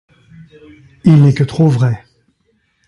Il n’est que trop vrai !